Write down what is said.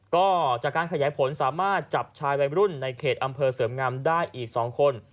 ก็จากการขยายผลสามารถจับชายวัยรุ่นในเขตอำเภอเสริมงามได้อีก๒คน